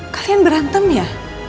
kalian berantem ya